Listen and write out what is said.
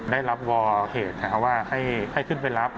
ได้รับวอลเหตุว่าให้ขึ้นไปรับ